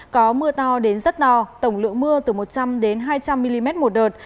có mưa to đến rất to tổng lượng mưa từ một trăm linh hai trăm linh mm một đợt